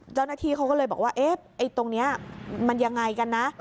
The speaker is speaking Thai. เจ้าหน้าที่เขาก็เลยบอกว่าตรงนี้มันยังไงกันนะ